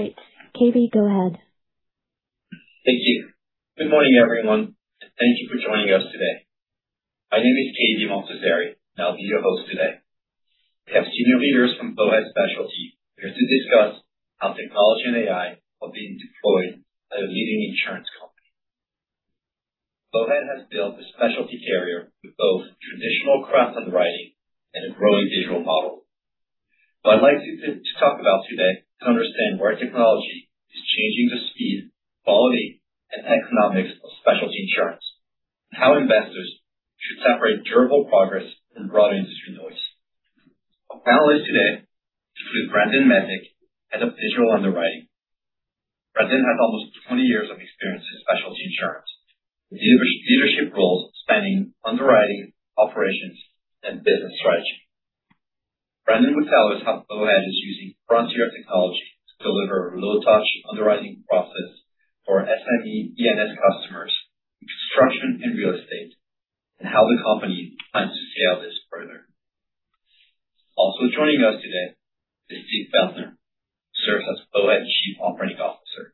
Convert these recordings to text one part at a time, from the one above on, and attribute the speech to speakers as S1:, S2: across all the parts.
S1: Right. Cave, go ahead.
S2: Thank you. Good morning, everyone, and thank you for joining us today. My name is Cave Montazeri, and I'll be your host today. We have senior leaders from Bowhead Specialty here to discuss how technology and AI are being deployed by a leading insurance company. Bowhead has built a specialty carrier with both traditional craft underwriting and a growing digital model. What I'd like you to talk about today is understand why technology is changing the speed, quality, and economics of specialty insurance, and how investors should separate durable progress from broad industry noise. Our panelists today include Brandon Mezick, Head of Digital Underwriting. Brandon has almost 20 years of experience in specialty insurance with leadership roles spanning underwriting, operations, and business strategy. Brandon will tell us how Bowhead is using frontier technology to deliver low-touch underwriting process for SME E&S customers in construction and real estate, and how the company plans to scale this further. Also joining us today is Steve Feltner, who serves as Bowhead Chief Operating Officer.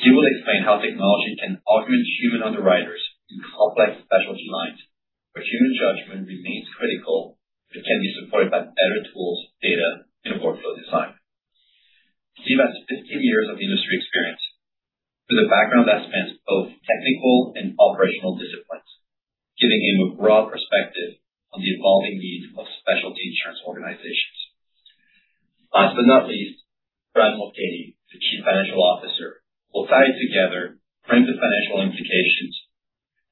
S2: He will explain how technology can augment human underwriters in complex specialty lines where human judgment remains critical, but can be supported by better tools, data, and workflow design. Steve has 15 years of industry experience with a background that spans both technical and operational disciplines, giving him a broad perspective on the evolving needs of specialty insurance organizations. Last but not least, Brad Mulcahey, the Chief Financial Officer, will tie together practical financial implications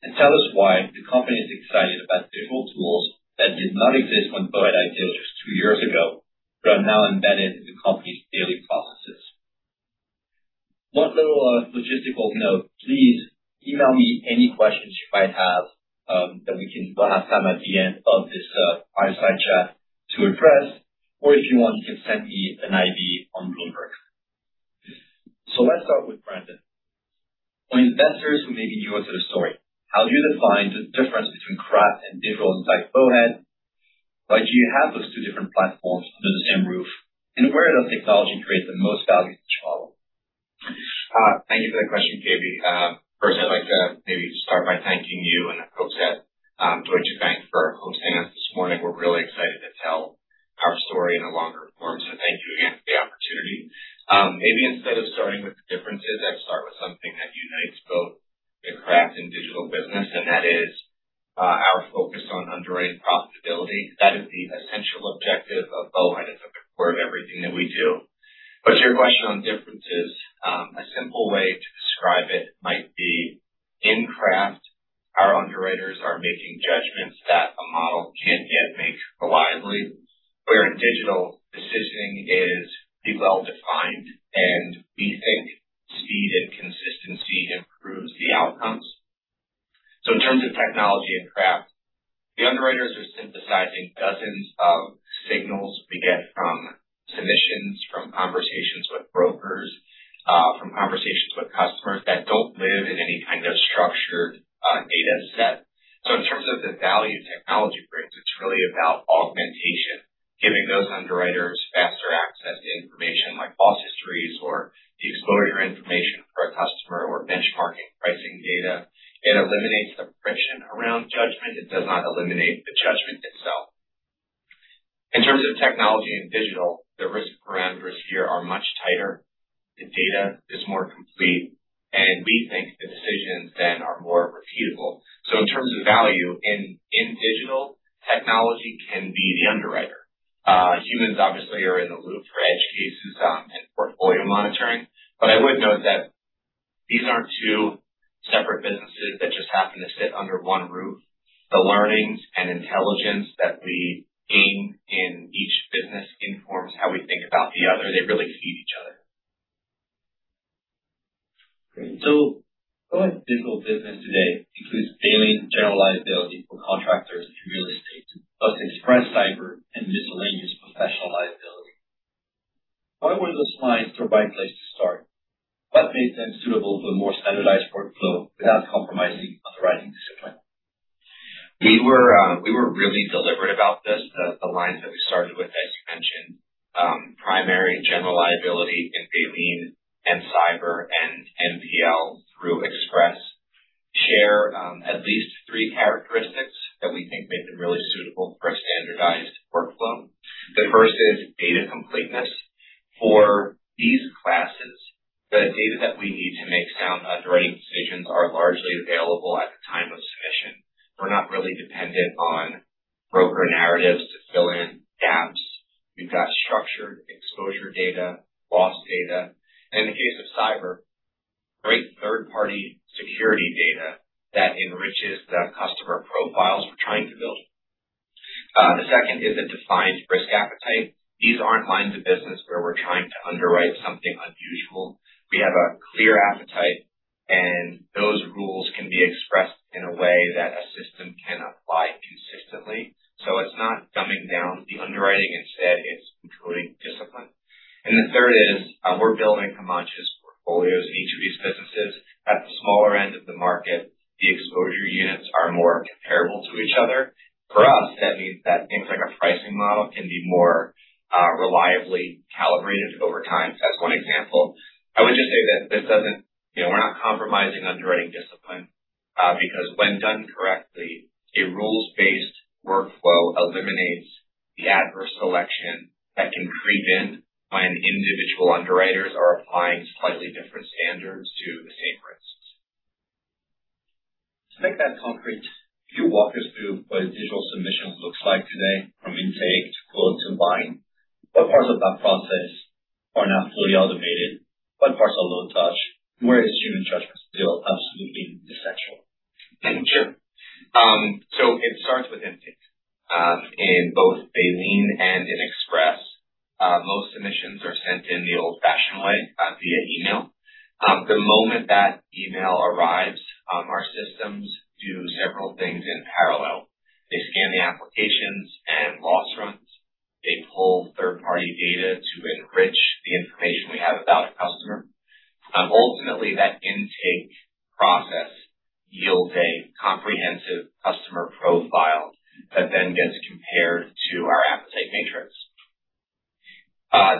S2: and tell us why the company is excited about digital tools that did not exist when Bowhead just two years ago, but are now embedded in the company's daily processes. One little logistical note, please email me any questions you might have that we will have time at the end of this fireside chat to address or if you want, you can send me an IB on Bloomberg. Let's start with Brandon. For investors who may be new to the story, how do you define the difference between craft and digital inside Bowhead? Why do you have those two different platforms under the same roof, and where does technology create the most value in each model?
S3: Thank you for that question, Cave. First I'd like to maybe start by thanking you and our co-chair, Deutsche Bank for hosting us this morning. We're really excited to tell our story in a longer form. Thank you again for the opportunity. Maybe instead of starting with gain in each business informs how we think about the other. They really feed each other.
S2: Great. Bowhead's digital business today includes Baleen general liability for contractors and real estate, plus Express Cyber and miscellaneous professional liability. Why were those lines the right place to start? What makes them suitable for a more standardized workflow without compromising underwriting discipline?
S3: We were really deliberate about this. The lines that we started with, as you mentioned, primary general liability in Baleen and Cyber and MPL through Express share at least three characteristics that we think make them really suitable for a standardized workflow. The first is data completeness. For these classes, the data that we need to make sound underwriting decisions are largely available at the time of submission. We're not really dependent on broker narratives to fill in gaps. We've got structured exposure data, loss data, and in the case of cyber, great third-party security data that enriches the customer profiles we're trying to build. The second is a defined risk appetite. These aren't lines of business where we're trying to underwrite something unusual. We have a clear appetite, and those rules can be expressed in a way that a system can apply consistently. It's not dumbing down the underwriting. Instead, it's controlling discipline. The third is, we're building homogeneous portfolios. At the smaller end of the market, the exposure units are more comparable to each other. For us, that means that things like our pricing model can be more reliably calibrated over time as one example. I would just say that this doesn't You know, we're not compromising underwriting discipline because when done correctly, a rules-based workflow eliminates the adverse selection that can creep in when individual underwriters are applying slightly different standards to the same risks.
S2: To make that concrete, can you walk us through what a digital submission looks like today from intake to quote to bind? What parts of that process are not fully automated? What parts are low touch? Where is human trust still absolutely essential?
S3: Sure. It starts with intake. In both Baleen and in Express, most submissions are sent in the old-fashioned way, via email. The moment that email arrives, our systems do several things in parallel. They scan the applications and loss runs. They pull third-party data to enrich the information we have about a customer. Ultimately, that intake process yields a comprehensive customer profile that then gets compared to our appetite matrix.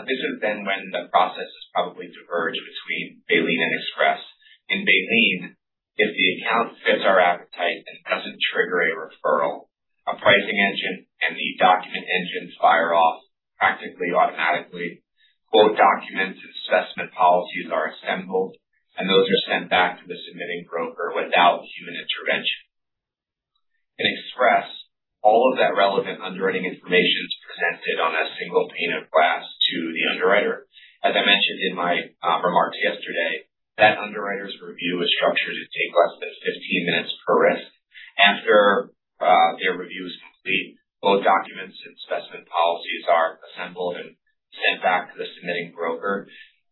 S3: This is then when the process is probably diverged between Baleen and Express. In Baleen, if the account fits our appetite and doesn't trigger a referral, a pricing engine and the document engines fire off practically automatically. Quote documents and specimen policies are assembled, and those are sent back to the submitting broker without human intervention. In Express, all of that relevant underwriting information is presented on a single pane of glass to the underwriter. As I mentioned in my remarks yesterday, that underwriter's review is structured to take less than 15 minutes per risk. After their review is complete, both documents and specimen policies are assembled and sent back to the submitting broker.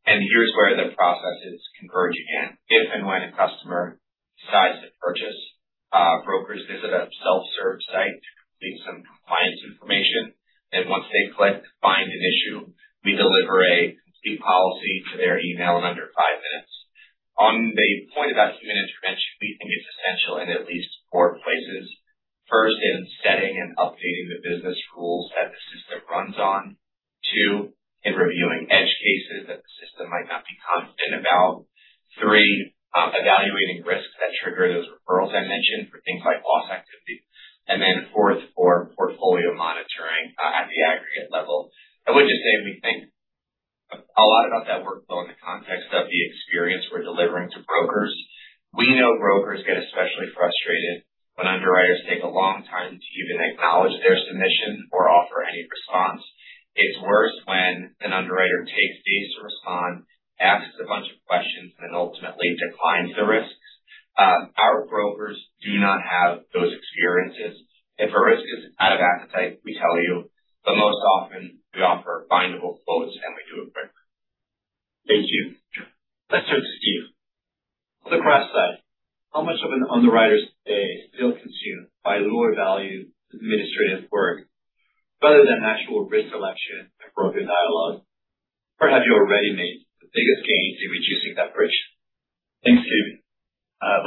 S3: Here's where the processes converge again. If and when a customer decides to purchase, brokers visit a self-serve site to complete some compliance information. Once they click find and issue, we deliver a complete policy to their email in under five minutes. On the point about human intervention, we think it's essential in at least four places. First, in setting and updating the business rules that the system runs on. Two, in reviewing edge cases that the system might not be confident about. Three, evaluating risks that trigger those referrals I mentioned for things like loss activity. Fourth, for portfolio monitoring at the aggregate level. I would just say we think a lot about that workflow in the context of the experience we're delivering to brokers. We know brokers get especially frustrated when underwriters take a long time to even acknowledge their submission or offer any response. It's worse when an underwriter takes days to respond, asks a bunch of questions, and then ultimately declines the risks. Our brokers do not have those experiences. If a risk is out of appetite, we tell you. Most often we offer bindable quotes, and we do it quick.
S2: Thank you.
S3: Sure.
S2: Let's turn to Steve. On the craft side, how much of an underwriter's day is still consumed by lower-value administrative work rather than actual risk selection and broker dialogue? Have you already made the biggest gains in reducing that bridge?
S4: Thanks, Cave.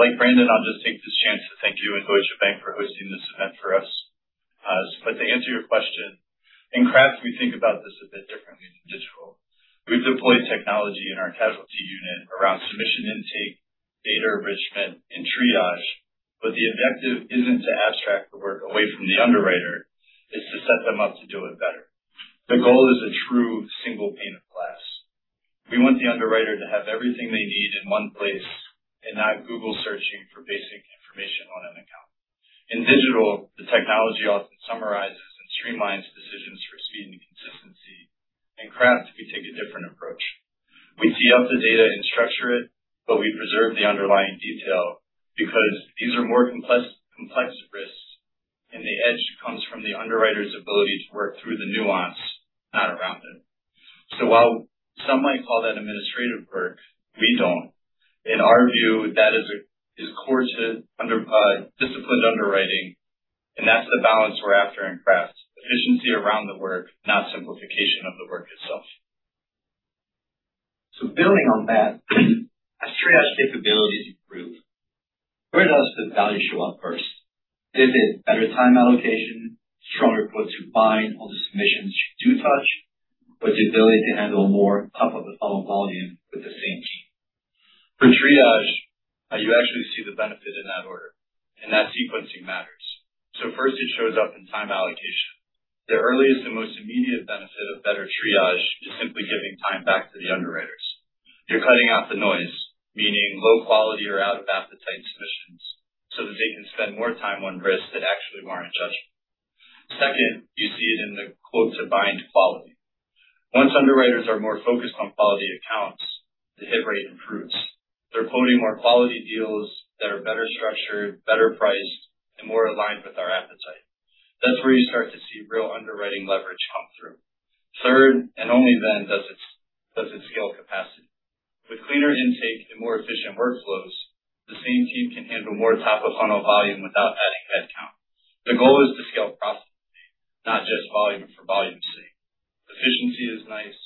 S4: Like Brandon, I'll just take this chance to thank you and Deutsche Bank for hosting this event for us. To answer your question, in craft, we think about this a bit differently than digital. We've deployed technology in our casualty unit around submission intake, data enrichment, and triage, but the objective isn't to abstract the work away from the underwriter. It's to set them up to do it better. The goal is a true single pane of glass. We want the underwriter to have everything they need in one place and not Google searching for basic information on an account. In digital, the technology often summarizes and streamlines decisions for speed and consistency. In craft, we take a different approach. We tee up the data and structure it, we preserve the underlying detail because these are more complex risks, the edge comes from the underwriter's ability to work through the nuance, not around it. While some might call that administrative work, we don't. In our view, that is core to sound disciplined underwriting, that's the balance we're after in crafts. Efficiency around the work, not simplification of the work itself.
S2: Building on that, as triage capabilities improve, where does the value show up first? Is it better time allocation, stronger quote-to-bind on the submissions you do touch or the ability to handle more top-of-the-funnel volume with the same team?
S4: For triage, you actually see the benefit in that order, and that sequencing matters. First it shows up in time allocation. The earliest and most immediate benefit of better triage is simply giving time back to the underwriters. You're cutting out the noise, meaning low quality or out-of-appetite submissions, so that they can spend more time on risks that actually warrant judgment. Second, you see it in the quote-to-bind quality. Once underwriters are more focused on quality accounts, the hit rate improves. They're quoting more quality deals that are better structured, better priced, and more aligned with our appetite. That's where you start to see real underwriting leverage come through. Third, only then does it scale capacity. With cleaner intake and more efficient workflows, the same team can handle more top-of-funnel volume without adding headcount. The goal is to see. For volume sake. Efficiency is nice,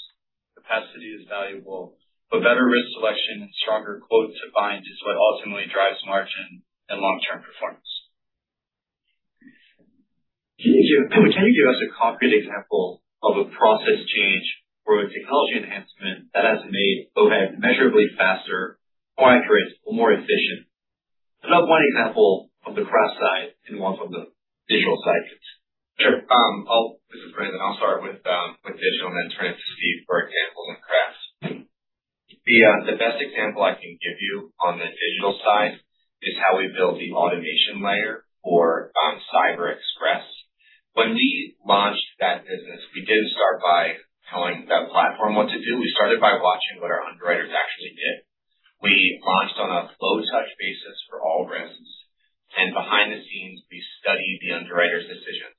S4: capacity is valuable, but better risk selection and stronger quotes to bind is what ultimately drives margin and long-term performance.
S2: Can you give us a concrete example of a process change or a technology enhancement that has made both measurably faster, more accurate or more efficient? Another one example of the craft side and one from the digital side.
S3: Sure. This is Brandon. I'll start with digital and then turn it to Steve for example in craft. The best example I can give you on the digital side is how we build the automation layer for Cyber Express. When we launched that business, we didn't start by telling that platform what to do. We started by watching what our underwriters actually did. We launched on a low touch basis for all risks, and behind the scenes we studied the underwriter's decisions,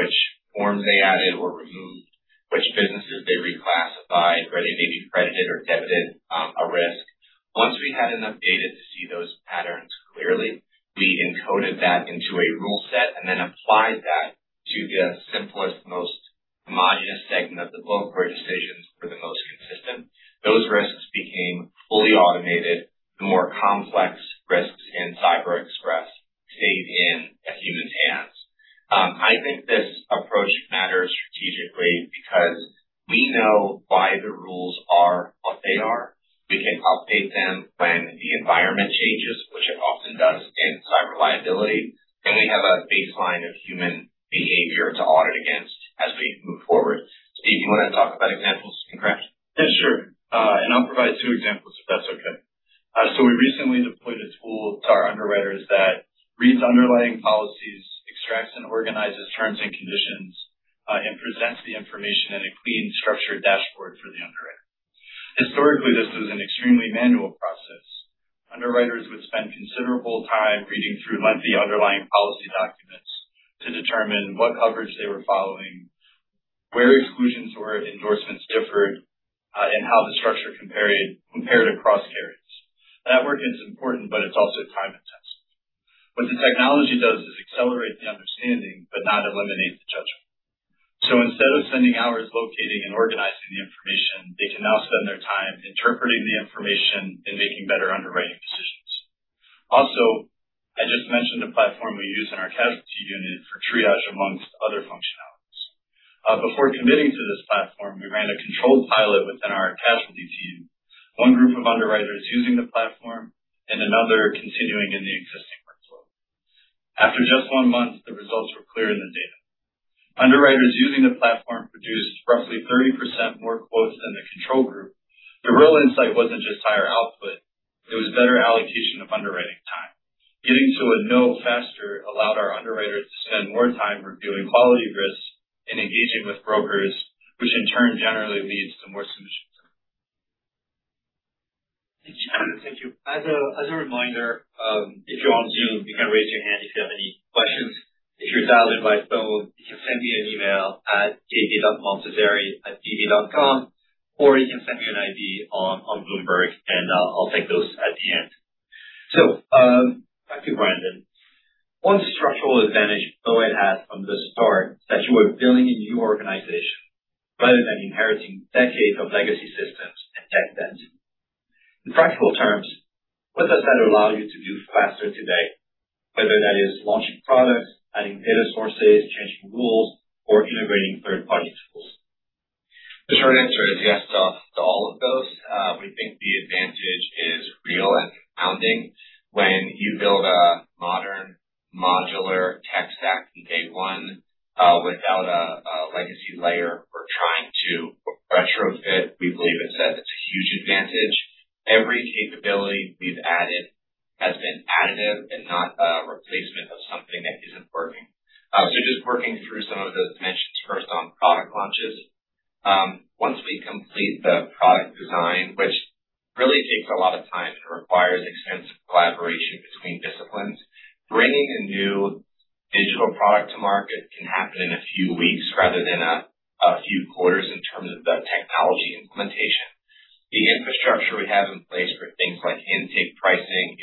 S3: which forms they added or removed, which businesses they reclassified, whether they de-credited or debited a risk. Once we had enough data to see those patterns clearly, we encoded that into a rule
S4: Before committing to this platform, we ran a controlled pilot within our casualty team. One group of underwriters using the platform and another continuing in the existing workflow. After just one month, the results were clear in the data. Underwriters using the platform produced roughly 30% more quotes than the control group. The real insight wasn't just higher output, it was better allocation of underwriting time. Getting to a no faster allowed our underwriters to spend more time reviewing quality risks and engaging with brokers, which in turn generally leads to more submissions.
S2: Thank you. As a reminder, if you're on Zoom, you can raise your hand if you have any questions. If you're dialed in by phone, you can send me an email at cave.montazeri@db.com or you can send me an IB on Bloomberg. I'll take those at the end. Back to Brandon. One structural advantage Bowhead had from the start that you were building a new organization rather than inheriting decades of legacy systems and tech debt. In practical terms, what does that allow you to do faster today, whether that is launching products, adding data sources, changing rules, or integrating third-party tools?
S3: The short answer is yes to all of those. We think the advantage is real and compounding. When you build a modern modular tech stack from day one, without a legacy layer or trying to retrofit, we believe it sets a huge advantage. Every capability we've added has been additive and not a replacement of something that isn't working. Just working through some of those mentions. First on product launches. Once we complete the product design, which really takes a lot of time and requires extensive collaboration between disciplines, bringing a new digital product to market can happen in a few weeks rather than a few quarters in terms of the technology implementation. The infrastructure we have in place for things like intake pricing,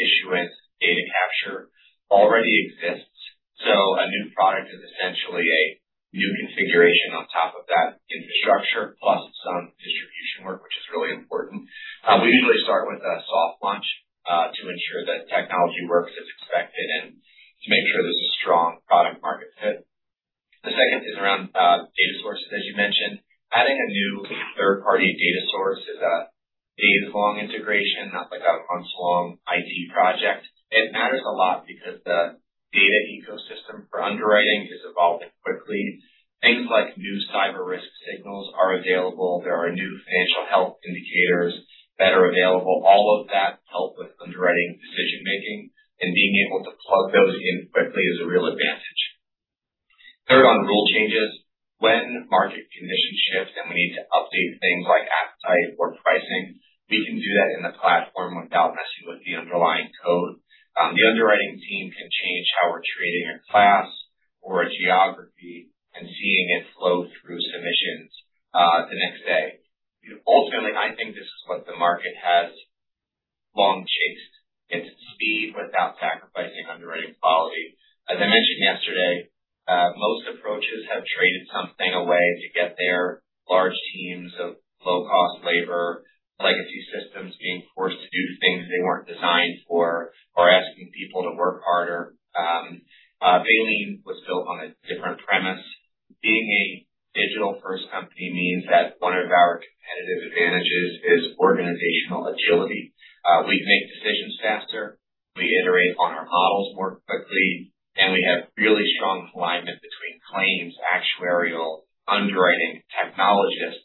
S3: and we have really strong alignment between claims, actuarial, underwriting technologists,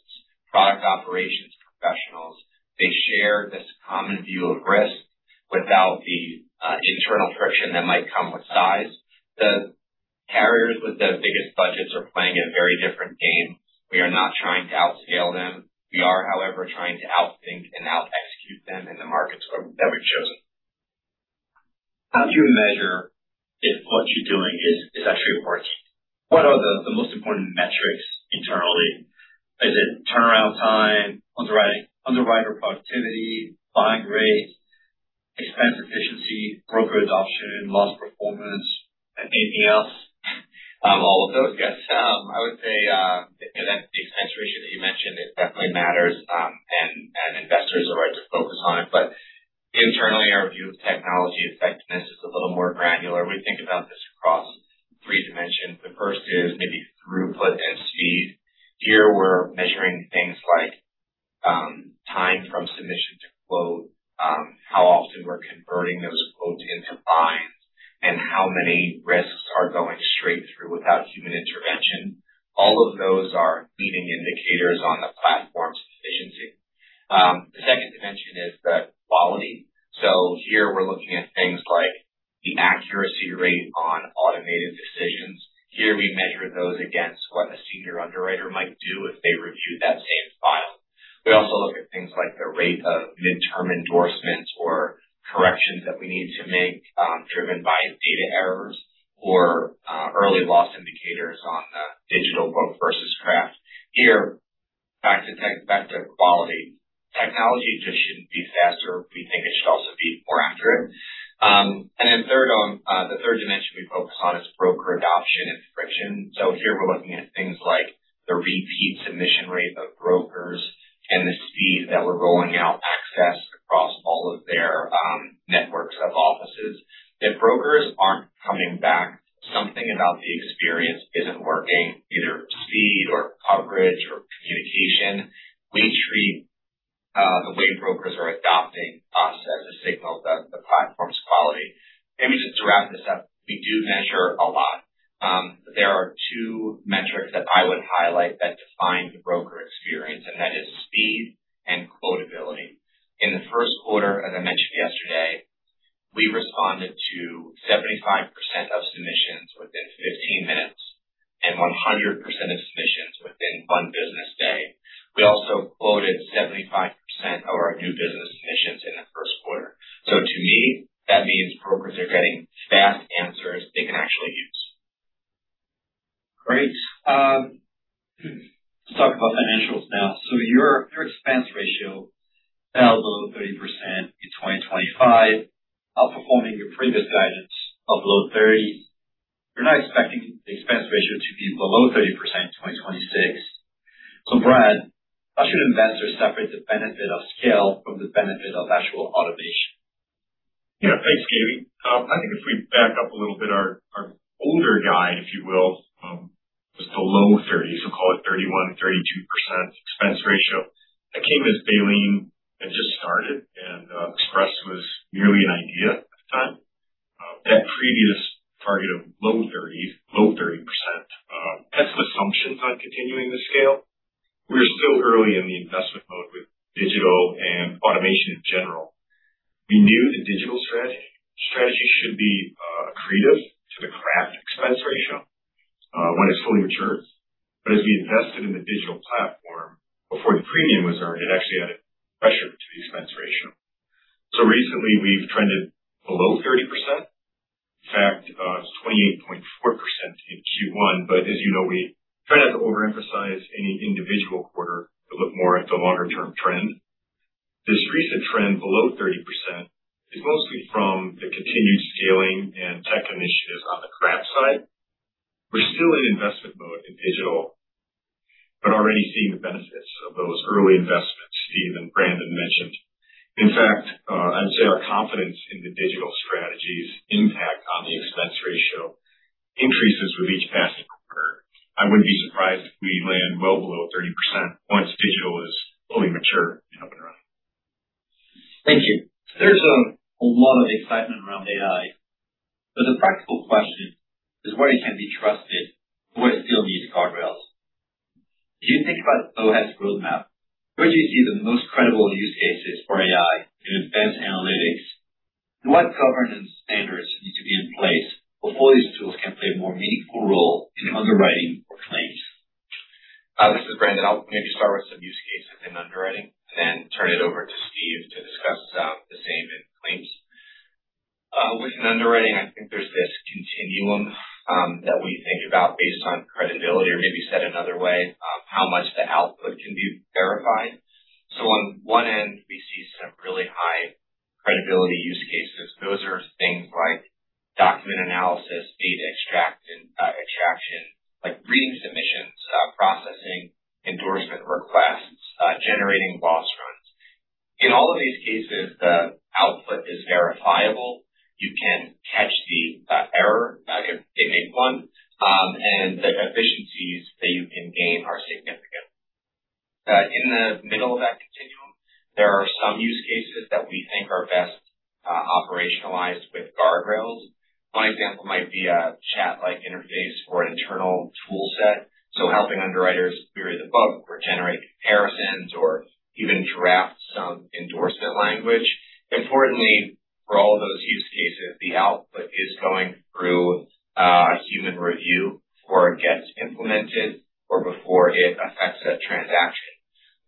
S3: product operations professionals. They share this common view of risk without the internal friction that might come with size. The carriers with the biggest budgets are playing a very different game. We are not trying to outscale them. We are, however, trying to outthink and out execute them in the markets that we've chosen.
S2: How do you measure if what you're doing is actually working? What are the most important metrics internally? Is it turnaround time, underwriting, underwriter productivity, buying rate, expense efficiency, broker adoption, loss performance, anything else?
S3: All of those. Yes. I would say the expense ratio that you mentioned, it definitely matters,
S5: We knew the digital strategy should be accretive to the craft expense ratio when it's fully mature. As we invested in the digital platform before the premium was earned, it actually added pressure to the expense ratio. Recently we've trended below 30%. In fact, it's 28.4% in Q1. As you know, we try not to overemphasize any individual quarter to look more at the longer term trend. This recent trend below 30% is mostly from the continued scaling and tech initiatives on the craft side. We're still in investment mode in digital, but already seeing the benefits of those early investments Steve and Brandon mentioned. In fact, I'd say our confidence in the digital strategy's impact on the expense ratio increases with each passing quarter. I wouldn't be surprised if we land well below 30% once digital is fully mature and up and running.
S2: Thank you. There's a lot of excitement around AI, but the practical question is where it can be trusted or where it still needs guardrails. As you think about Bowhead's roadmap,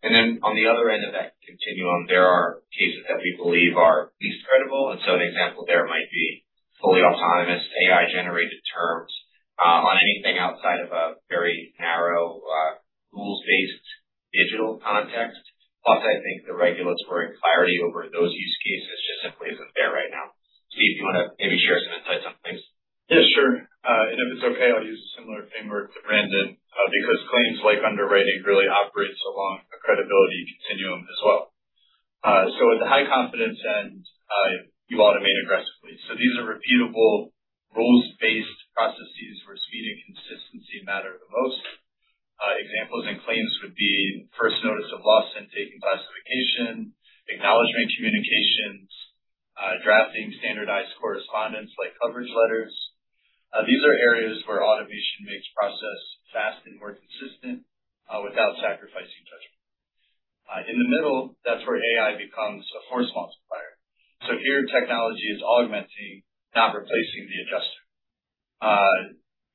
S3: On the other end of that continuum, there are cases that we believe are least credible. An example there might be fully autonomous AI-generated terms on anything outside of a very narrow, rules-based digital context. I think the regulatory clarity over those use cases just simply isn't there right now. Steve, do you want to maybe share some insights on claims?
S4: Yeah, sure. If it's okay, I'll use a similar framework to Brandon, because claims like underwriting really operates along a credibility continuum as well. At the high confidence end, you automate aggressively. These are repeatable rules-based processes where speed and consistency matter the most. Examples in claims would be first notice of loss and intake and classification, acknowledgement communications, drafting standardized correspondence like coverage letters. These are areas where automation makes process fast and more consistent, without sacrificing judgment. In the middle, that's where AI becomes a force multiplier. Here technology is augmenting, not replacing the adjuster.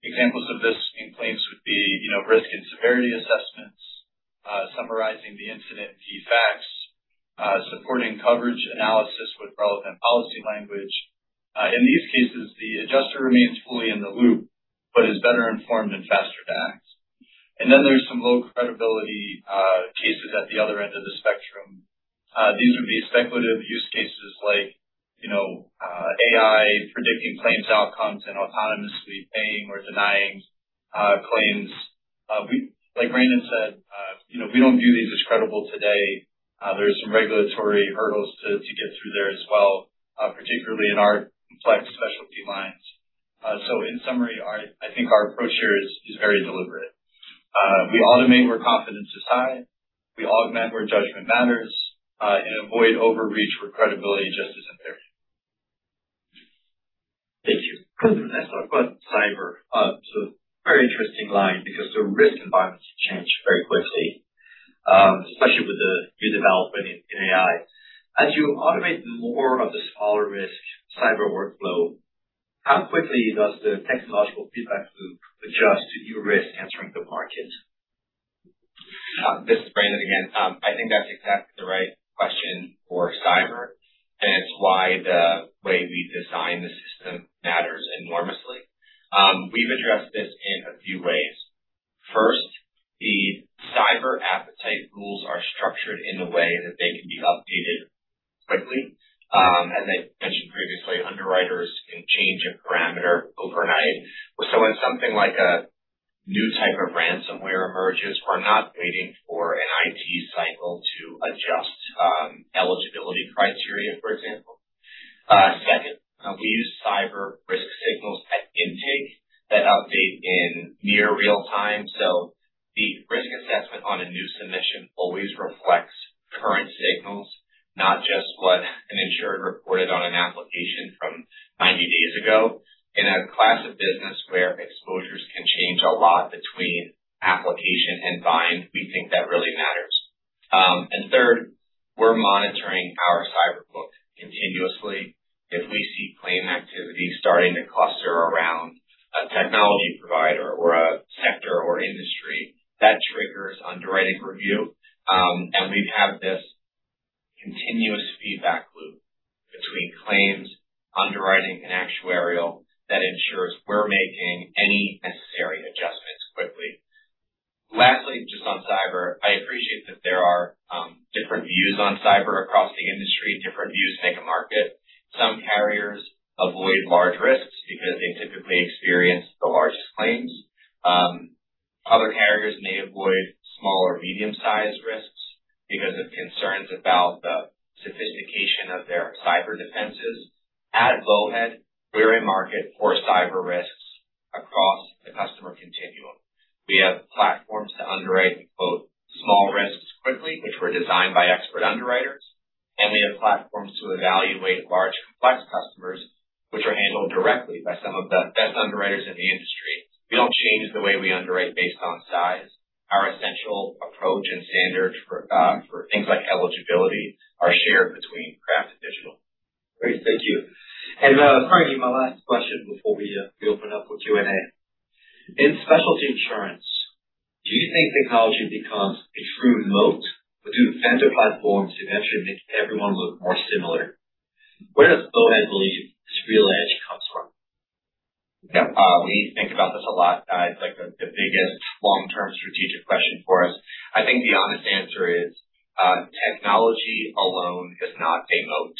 S4: Examples of this in claims would be, you know, risk and severity assessments, summarizing the incident key facts, supporting coverage analysis with relevant policy language. In these cases, the adjuster remains fully in the loop but is better informed and faster to act. Then there's some low credibility cases at the other end of the spectrum. These would be speculative use cases like, you know, AI predicting claims outcomes and autonomously paying or denying claims. Like Brandon said, you know, we don't view these as credible today. There's some regulatory hurdles to get through there as well, particularly in our complex specialty lines. In summary, I think our approach here is very deliberate. We automate where confidence is high, we augment where judgment matters, and avoid overreach where credibility just isn't there.
S2: Thank you. That's our question. Cyber, a very interesting line because the risk environments change very quickly, especially with the new development in AI. As you automate more of the smaller risk cyber workflow, how quickly does the technological feedback loop adjust to your risk entering the market?
S3: This is Brandon again. I think that's exactly the right question for cyber, and it's why the way we design the system matters enormously. We've addressed this in a few ways. First, the cyber appetite rules are structured in a way that they can be updated quickly. As I mentioned previously, underwriters can change a parameter overnight. When something like a new type of ransomware emerges, we're not waiting for an IT cycle to adjust eligibility criteria, for example. Second, we use cyber risk signals at intake that update in near real time. The risk assessment on a new submission always reflects current signals, not just what an insured reported on an application from 90 days ago. In a class of business where exposures can change a lot between application and bind, we think that really matters. Third, we're monitoring our cyber book continuously. If we see claim activity starting to cluster around a technology provider or a sector or industry, that triggers underwriting review. We have this continuous feedback loop between claims, underwriting and actuarial that ensures we're making any necessary adjustments quickly. Lastly, just on cyber, I appreciate that there are different views on cyber across the industry. Different views make a market. Some carriers avoid large risks because they typically experience the largest claims. Other carriers may avoid small or medium-sized risks because of concerns about the sophistication of their cyber defenses. At Bowhead, we're a market for cyber risks across the customer continuum. We have platforms to underwrite both small risks quickly, which were designed by expert underwriters, and we have platforms to evaluate large complex customers, which are handled directly by some of the best underwriters in the industry. We don't change the way we underwrite based on size. Our essential approach and standards for for things like eligibility are shared between craft and digital.
S2: Great. Thank you. Finally, my last question before we open up for Q&A. In specialty insurance, do you think technology becomes a true moat or do vendor platforms eventually make everyone look more similar? Where does Bowhead believe its real edge comes from?
S3: We think about this a lot. It's like the biggest long-term strategic question for us. I think the honest answer is, technology alone is not a moat.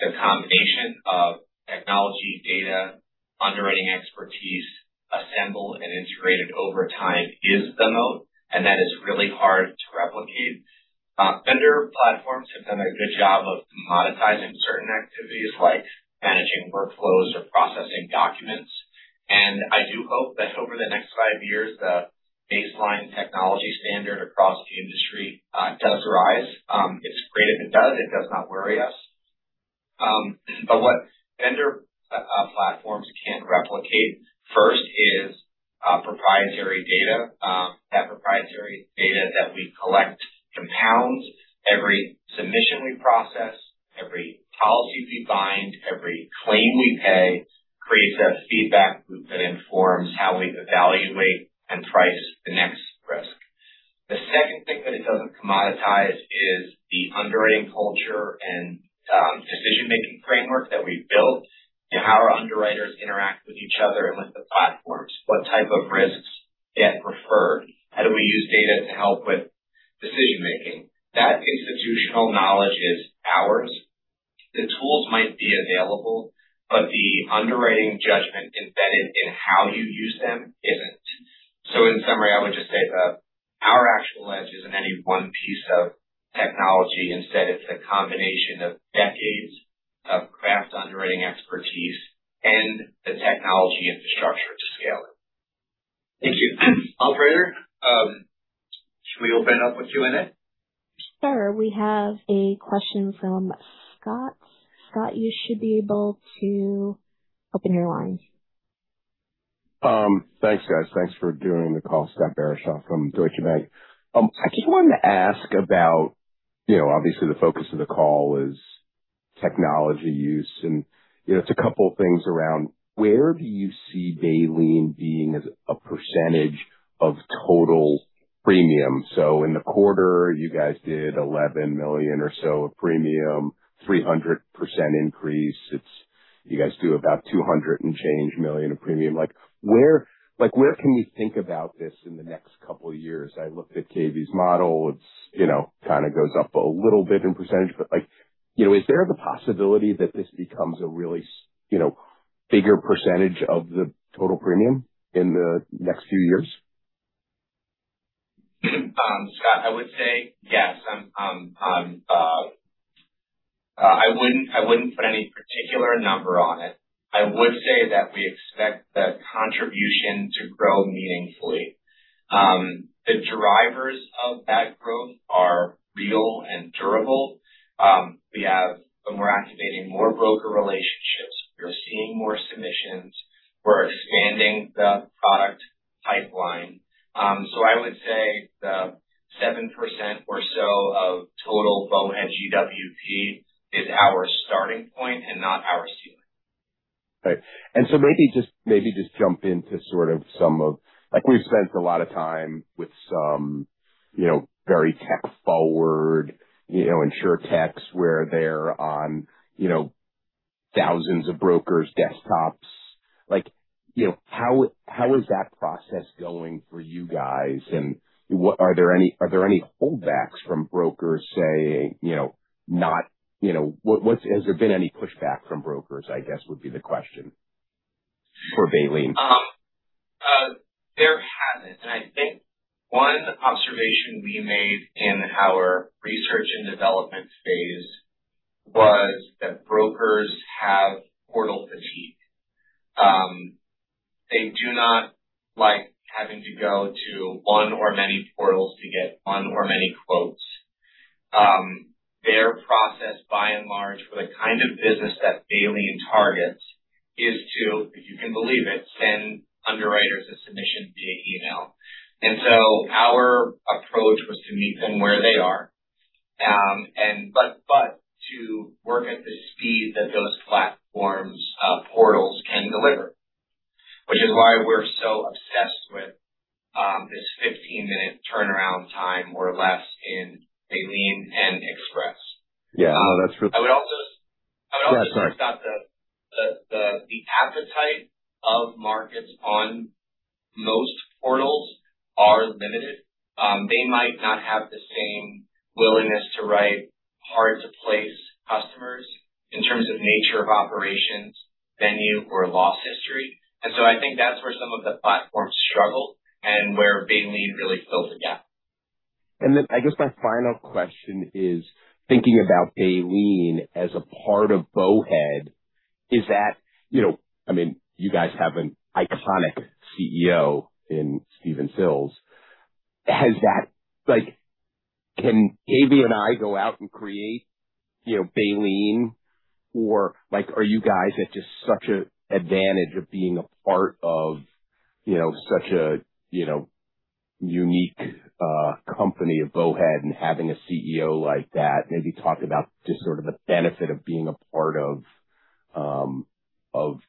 S3: The combination of technology, data, underwriting expertise assembled and integrated over time is the moat, and that is really hard to replicate. Vendor platforms have done a good job of commoditizing certain activities like managing workflows or processing documents. I do hope that over the next five years, the baseline technology standard across the industry does rise. It's great if it does. It does not worry us. What vendor platforms can't replicate first is proprietary data. That proprietary data that we collect compounds every submission we process, every policy we bind, every claim we pay creates a feedback loop that informs how we evaluate and price the next risk. The second thing that it doesn't commoditize is the underwriting culture and decision-making framework that we've built and how our underwriters interact with each other and with the platforms. What type of risks they prefer, how do we use data to help with decision-making? That institutional knowledge is ours. The tools might be available, the underwriting judgment embedded in how you use them isn't. In summary, I would just say that our actual edge isn't any one piece of technology. Instead, it's a combination of decades of craft underwriting expertise and the technology infrastructure to scale it.
S2: Thank you. Operator, should we open it up with Q&A?
S1: Sure. We have a question from Scott. Scott, you should be able to open your line.
S6: Thanks, guys. Thanks for doing the call. Scott Barishaw from Deutsche Bank. I just wanted to ask about, you know, obviously the focus of the call is technology use and, you know, it's a couple things around where do you see Baleen being as a percentage of total premium. In the quarter, you guys did $11 million or so of premium, 300% increase. You guys do about $200 and change million of premium. Like, where can we think about this in the next couple of years? I looked at Cave's model. It's, you know, kind of goes up a little bit in percentage, like, you know, is there the possibility that this becomes a really, you know, bigger percentage of the total premium in the next few years?
S3: Scott, I would say yes. I wouldn't put any particular number on it. I would say that we expect the contribution to grow meaningfully. The drivers of that growth are real and durable. We're activating more broker relationships. We're seeing more submissions. We're expanding the product pipeline. I would say the 7% or so of total Bowhead GWP is our starting point and not our ceiling.
S6: Right. Like we've spent a lot of time with some, you know, very tech forward, you know, insurtechs where they're on, you know, thousands of brokers' desktops. Like, you know, how is that process going for you guys? Are there any holdbacks from brokers? Has there been any pushback from brokers, I guess, would be the question for Baleen?
S3: There hasn't, and I think one observation we made in our research and development phase was that brokers have portal fatigue. They do not like having to go to one or many portals to get one or many quotes. Their process, by and large, for the kind of business that Baleen targets is to, if you can believe it, send underwriters a submission via email. Our approach was to meet them where they are, but to work at the speed that those platforms, portals can deliver, which is why we're so obsessed with this 15 minute turnaround time, more or less in Baleen and Express.
S6: Yeah. No.
S3: I would also point out that the appetite of markets on most portals are limited. They might not have the same willingness to write hard-to-place customers in terms of nature of operations, venue or loss history. I think that's where some of the platforms struggle and where Baleen really fills a gap.
S6: I guess my final question is thinking about Baleen as a part of Bowhead, is that, you know, I mean, you guys have an iconic CEO in Stephen Sills. Like, can Cave and I go out and create, you know, Baleen? Like, are you guys at just such a advantage of being a part of, you know, such a, you know, unique company of Bowhead and having a CEO like that? Maybe talk about just sort of the benefit of being a part of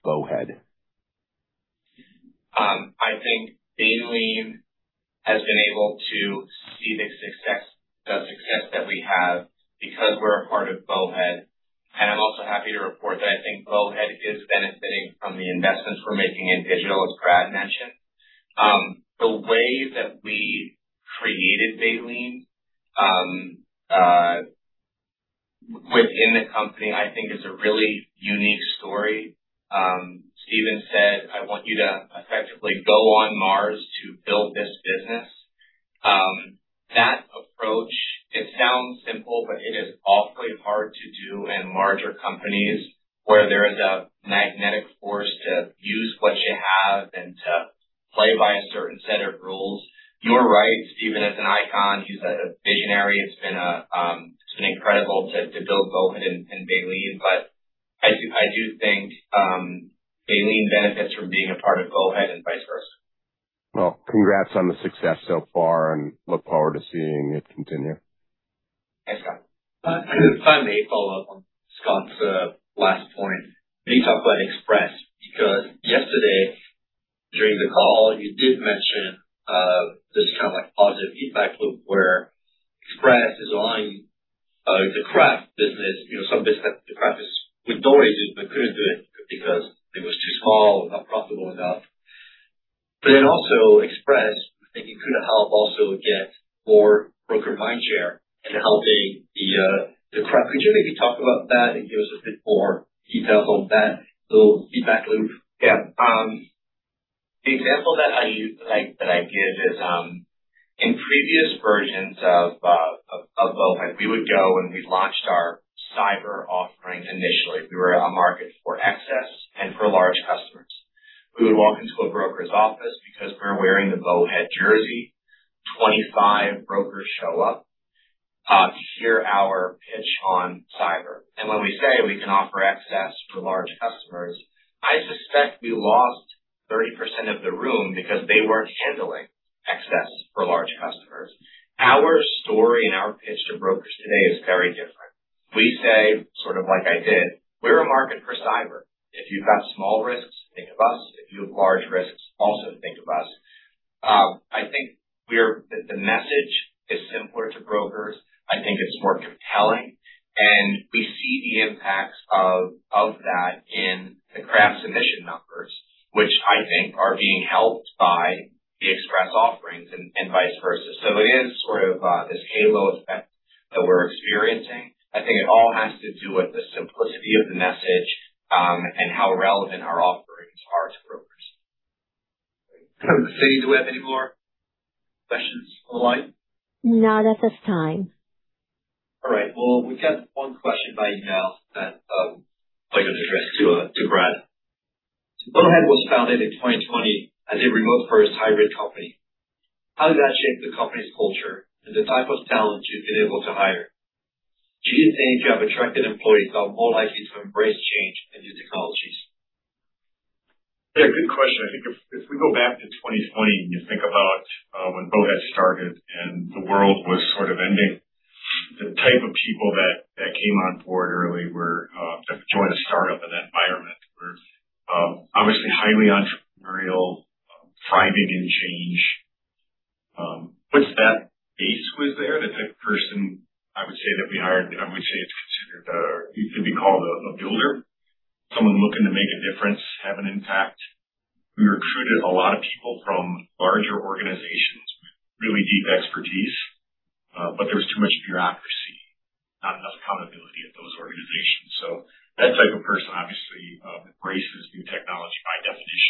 S6: Bowhead.
S3: I think Baleen has been able to see the success that we have because we're a part of Bowhead. I'm also happy to report that I think Bowhead is benefiting from the investments we're making in digital, as Brad mentioned. The way that we created Baleen within the company, I think is a really unique story. Stephen said, "I want you to effectively go on Mars to build this business." That approach, it sounds simple, but it is awfully hard to do in larger companies where there is a magnetic force to use what you have and to play by a certain set of rules. You're right, Stephen is an icon. He's a visionary. It's been incredible to build Bowhead and Baleen. I do think Baleen benefits from being a part of Bowhead and vice versa.
S6: Well, congrats on the success so far and look forward to seeing it continue.
S3: Thanks, Scott.
S2: If I may follow up on Scott's last point, can you talk about Express? Yesterday during the call, you did mention this kind of like positive feedback loop where Express is relying the craft business. You know, some business the craft business would normally do but couldn't do it because it was too small or not profitable enough. Also Express, I think it could help also get more broker mindshare in helping the craft. Could you maybe talk about that and give us a bit more details on that little feedback loop?
S3: The example that I used, that I give is, in previous versions of Bowhead, we would go and we launched our cyber offering. Initially, we were a market for excess and for large customers. We would walk into a broker's office because we're wearing the Bowhead jersey. 25 brokers show up to hear our pitch on cyber. When we say we can offer excess for large customers, I suspect we lost 30% of the room because they weren't handling excess for large customers. Our story and our pitch to brokers today is very different. We say, sort of like I did, we're a market for cyber. If you've got small risks, think of us. If you have large risks, also think of us. I think the message is simpler to brokers. I think it's more compelling, and we see the impacts of that in the craft submission numbers, which I think are being helped by the Express offerings and vice versa. It is sort of this halo effect that we're experiencing. I think it all has to do with the simplicity of the message, and how relevant our offerings are to brokers.
S2: Sally, do we have any more questions on the line?
S1: Not at this time.
S2: All right. Well, we got one question by email that I could address to Brad. Bowhead was founded in 2020 as a remote-first hybrid company. How did that shape the company's culture and the type of talent you've been able to hire? Do you think you have attracted employees that are more likely to embrace change and new technologies?
S5: Yeah, good question. I think if we go back to 2020 and you think about when Bowhead started and the world was sort of ending, the type of people that came on board early were that joined a startup in that environment were obviously highly entrepreneurial, thriving in change. That base was there. The person I would say that we hired, and I would say it could be called a builder, someone looking to make a difference, have an impact. We recruited a lot of people from larger organizations with really deep expertise, there was too much bureaucracy, not enough accountability at those organizations. That type of person obviously embraces new technology by definition.